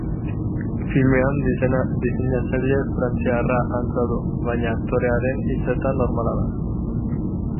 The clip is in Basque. Filmean diseinatzaile frantziarraren antza du, baina aktorearen hitzetan normala da.